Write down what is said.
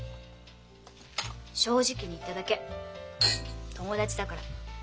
正直に言っただけ友達だから。